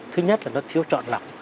thứ nhất là nó thiếu chọn lọc